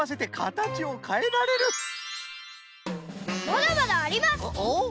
まだまだあります！